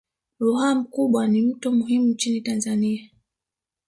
Ruaha Mkubwa ni mto muhimu nchini Tanzania